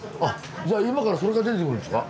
今からそれが出てくるんですか？